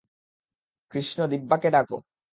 কৃষ্ণ, দিব্যাকে ডাক।